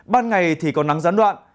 ban ngày thì còn nắng rắn đoạn